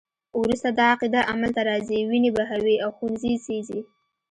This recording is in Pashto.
وروسته دا عقیده عمل ته راځي، وینې بهوي او ښوونځي سیزي.